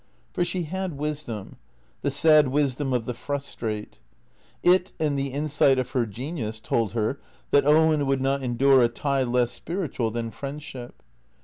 For she had wisdom, the sad wisdom of the frustrate; it, and the insight of her genius, told her that Owen would not endure a tie less spiritual than friend ship.